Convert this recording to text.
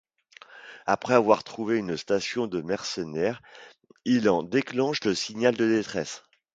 Après avoir trouvé une station de mercenaires, il en déclenche le signal de détresse.